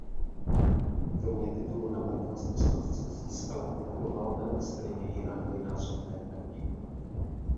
Kromě titulu na patnáctistovce získala titul halové mistryně i na dvojnásobné trati.